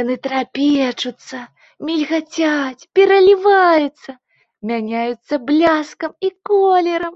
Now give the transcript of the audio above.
Яны трапечуцца, мільгацяць, пераліваюцца, мяняюцца бляскам і колерам.